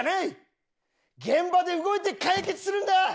現場で動いて解決するんだ！